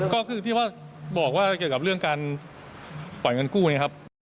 ก็คือที่ว่าบอกว่าเกี่ยวกับเรื่องการปล่อยเงินกู้เนี่ยครับ